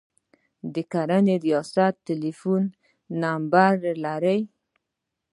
د کرنې ریاست ټلیفون نمبر لرئ؟